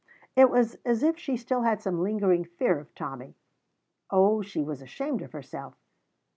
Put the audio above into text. It was as if she still had some lingering fear of Tommy. Oh, she was ashamed of herself.